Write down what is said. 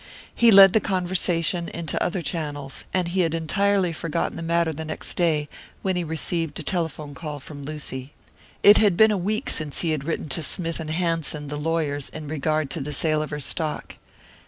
He led the conversation into other channels; and he had entirely forgotten the matter the next day, when he received a telephone call from Lucy. It had been a week since he had written to Smith and Hanson, the lawyers, in regard to the sale of her stock.